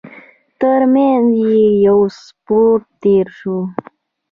تر مينځ يې يو سپور تېر شو.